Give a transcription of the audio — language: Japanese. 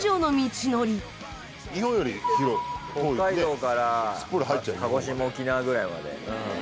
北海道から鹿児島沖縄ぐらいまで。